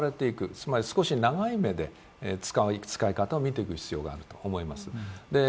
つまり少し長い目で使い方を見ていく必要があると思います。